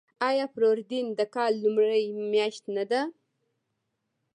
آیا فروردین د کال لومړۍ میاشت نه ده؟